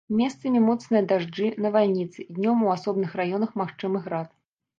Месцамі моцныя дажджы, навальніцы, днём у асобных раёнах магчымы град.